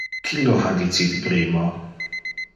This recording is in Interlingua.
Qui lo ha dicite primo?